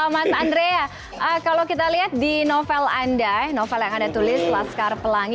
mas andrea kalau kita lihat di novel anda novel yang anda tulis laskar pelangi